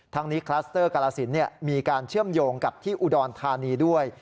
ทั้งนี้คลัสเตอร์กาลสินมีการเชื่อมโยงกับที่อุดรธานีด้วย